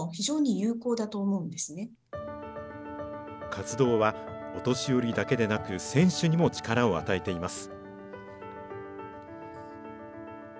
活動はお年寄りだけでなく、選手にも力を与えています。